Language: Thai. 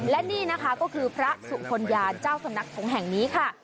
และนี่นะคะก็คือพระสุคลยาเจ้าสำนักสงฆ์แห่งนี้ค่ะ